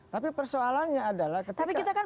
tapi persoalannya adalah tetapi kita kan